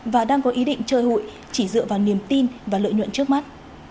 và đang có ý định chơi hụi chỉ dựa vào niềm tin và lợi nhuận trước mắt